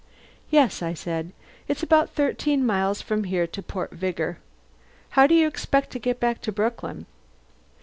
"Yes," I said. "It's about thirteen miles from there to Port Vigor. How do you expect to get back to Brooklyn?"